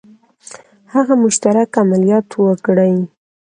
هغه مشترک عملیات وکړي.